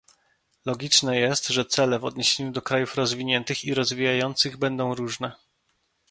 Logiczne jest, że cele w odniesieniu do krajów rozwiniętych i rozwijających się będą różne